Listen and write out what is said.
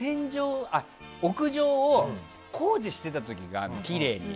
屋上を工事してた時があるのきれいに。